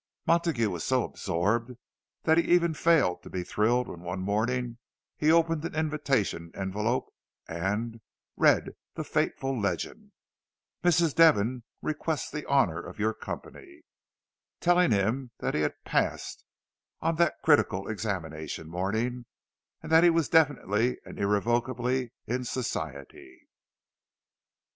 Montague was so absorbed that he even failed to be thrilled when one morning he opened an invitation envelope, and read the fateful legend: "Mrs. Devon requests the honour of your company"—telling him that he had "passed" on that critical examination morning, and that he was definitely and irrevocably in Society!